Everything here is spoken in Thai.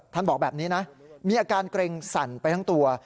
บอกแบบนี้นะมีอาการเกร็งสั่นไปทั้งตัว